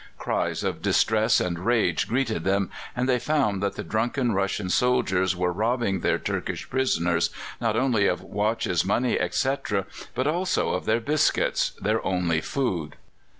Cries of distress and rage greeted them, and they found that the drunken Russian soldiers were robbing their Turkish prisoners, not only of watches, money, etc., but also of their biscuits their only food.